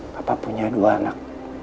papa punya dua anak